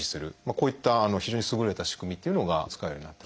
こういった非常に優れた仕組みっていうのが使えるようになって。